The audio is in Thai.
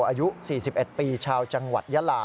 อายุ๔๑ปีชาวจังหวัดยาลา